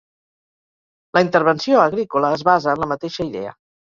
La intervenció agrícola es basa en la mateixa idea.